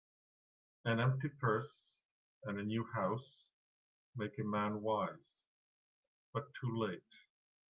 An empty purse, and a new house, make a man wise, but too late.